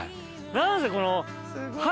何せこの。